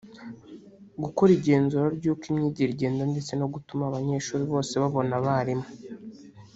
gukora igenzura ry’uko imyigire igenda ndetse no gutuma abanyeshuri bose babona abarimu